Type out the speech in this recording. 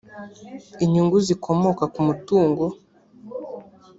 inyungu zikomoka ku mutungo